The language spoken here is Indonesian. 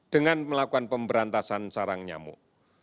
dengan melakukan pemberantasan sarang nyamuk